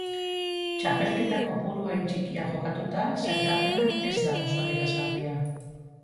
Txapelketa kopuru hain txikia jokatuta sailkapena ez da oso adierazgarria.